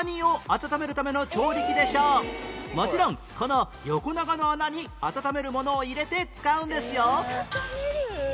もちろんこの横長の穴に温めるものを入れて使うんですよ